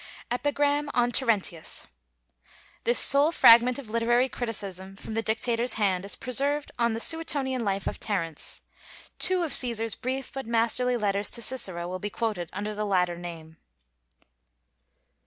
EPIGRAM ON TERENTIUS [This sole fragment of literary criticism from the Dictator's hand is preserved in the Suetonian life of Terence. Two of Cæsar's brief but masterly letters to Cicero will be quoted under the latter name.